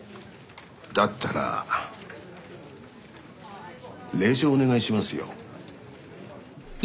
だったら令状お願いしますよ。